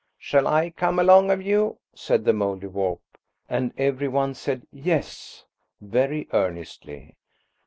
"Shall I come along of you?" said the Mouldiwarp, and every one said "Yes," very earnestly.